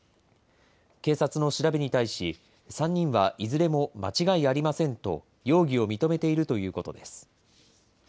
警察の調べに対し、３人はいずれも間違いありませんと、容疑を認めているということです。